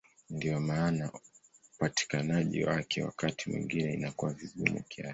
Ndiyo maana upatikanaji wake wakati mwingine inakuwa vigumu kiasi.